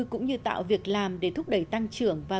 cũng như tạo việc làm để thúc đẩy tăng trưởng